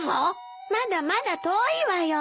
まだまだ遠いわよ。